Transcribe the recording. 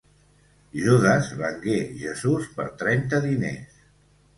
Judes vengué Jesús per trenta diners.